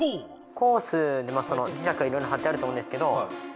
コースに磁石がいろいろはってあると思うんですけどま